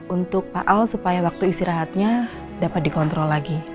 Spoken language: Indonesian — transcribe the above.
untuk pak al supaya waktu istirahatnya dapat dikontrol lagi